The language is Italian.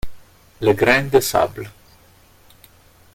Le Grain de sable